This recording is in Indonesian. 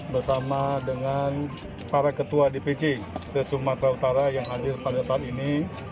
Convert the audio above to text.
bersama dengan para ketua dpc se sumatera utara yang hadir pada saat ini